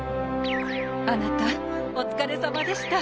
あなたお疲れさまでした。